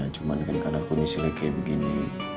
cuman kan karena kondisi lagi kayak begini